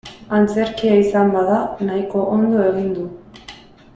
Antzerkia izan bada nahiko ondo egin du.